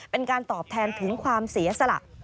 เป็นการตอบแทนถึงความเสียสละ